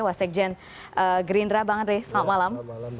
wasekjen gerindra bang andre selamat malam